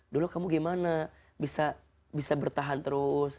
dulu kamu gimana bisa bertahan terus